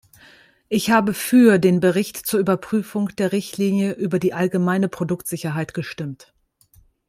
Ich habe für den Bericht zur Überprüfung der Richtlinie über die allgemeine Produktsicherheit gestimmt.